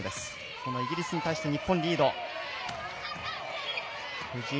そのイギリスに対して日本リード。